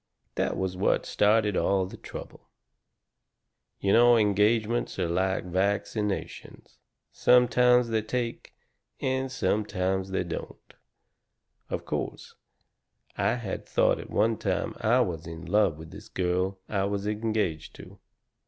That was what started all the trouble. "You know engagements are like vaccination sometimes they take, and sometimes they don't. Of course, I had thought at one time I was in love with this girl I was engaged to.